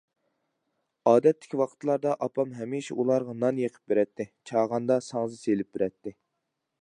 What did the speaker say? ئادەتتىكى ۋاقىتلاردا ئاپام ھەمىشە ئۇلارغا نان يېقىپ بېرەتتى، چاغاندا ساڭزا سېلىپ بېرەتتى.